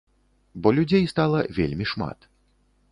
Бо людзей стала вельмі шмат.